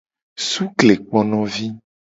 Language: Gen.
Suklekponovi.